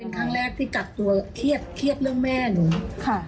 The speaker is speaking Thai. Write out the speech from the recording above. เป็นครั้งแรกพี่จับตัวเครียดเรื่องแม่หนูเพราะว่าค่ะ